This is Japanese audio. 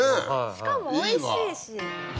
しかもおいしいし。